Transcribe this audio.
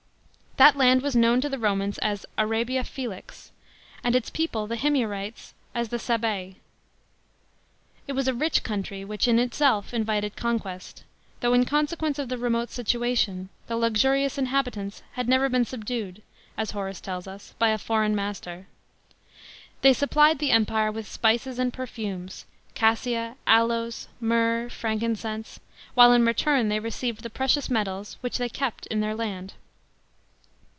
That land was known to the Romans as Arabia Felix, and its people — the Himyarites — as the Sabsei. It was a rich country, which in itself invited conquest, though, in consequence of the remote situation, the luxurious mhabitan s had never been subdued, as Horace tells us, by a foreign master.* They suppled the Empire with spices and perfumes, cassia, aloes, myrrh, (ran kin cense, while in return they received the precious metals, which thev kept in their land.